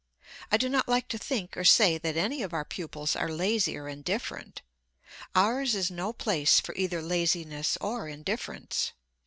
I do not like to think or say that any of our pupils are lazy or indifferent; ours is no place for either laziness or indifference.